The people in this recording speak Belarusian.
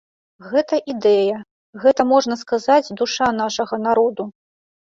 Гэта ідэя, гэта, можна сказаць, душа нашага народу.